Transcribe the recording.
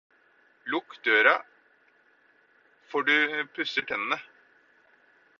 Lukk døra for du pusser tennene.